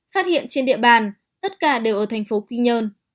phát hiện trên địa bàn tất cả đều ở thành phố quy nhơn